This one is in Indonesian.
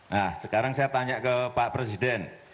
nah sekarang saya tanya ke pak presiden